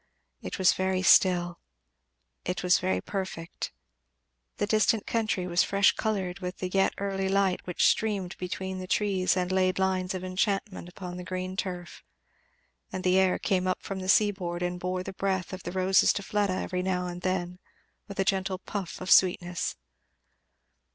It was very still; it was very perfect; the distant country was fresh coloured with the yet early light which streamed between the trees and laid lines of enchantment upon the green turf; and the air came up from the sea board and bore the breath of the roses to Fleda every now and then with a gentle puff of sweetness.